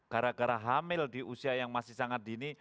gara gara hamil di usia yang masih sangat dini